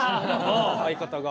相方が。